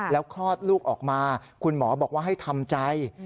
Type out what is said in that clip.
แล้วคลอดลูกออกมาคุณหมอบอกว่าให้ทำใจ